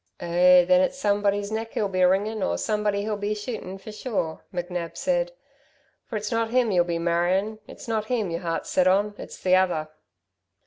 "Eh, then it's somebody's neck he'll be wringing, or somebody he'll be shooting, for sure," McNab said. "For it's not him you'll be marrin', and it's not him your heart's set on. It's the other."